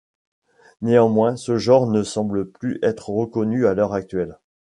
Néanmoins, ce genre ne semble plus être reconnu à l'heure actuelle.